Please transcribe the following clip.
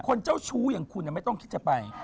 เจ้าชู้อย่างคุณไม่ต้องคิดจะไป